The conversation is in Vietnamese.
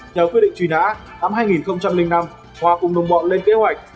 theo quyết định truy nã năm hai nghìn năm hòa cùng đồng bọn lên kế hoạch